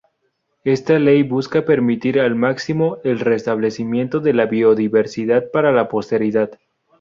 Esta ley busca permitir al máximo el restablecimiento de la biodiversidad para la posteridad.